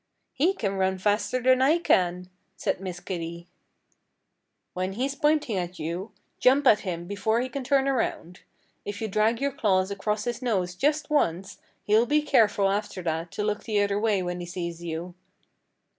"He can run faster than I can," said Miss Kitty. "When he's pointing at you, jump at him before he can turn around. If you drag your claws across his nose just once he'll be careful after that to look the other way when he sees you."